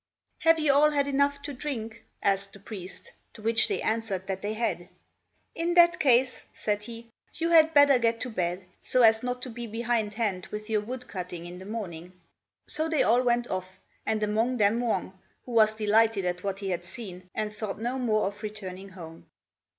"Have you all had enough to drink?" asked the priest; to which they answered that they had. "In that case," said he, "you had better get to bed, so as not to be behindhand with your wood cutting in the morning." So they all went off, and among them Wang, who was delighted at what he had seen, and thought no more of returning home.